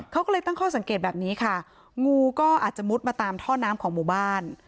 เขาก็เลยตั้งข้อสังเกตแบบนี้ค่ะงูก็อาจจะมุดมาตามท่อน้ำของหมู่บ้าน